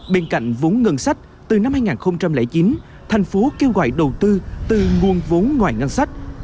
bên cạnh vốn ngân sách từ năm hai nghìn chín thành phố kêu gọi đầu tư từ nguồn vốn ngoài ngân sách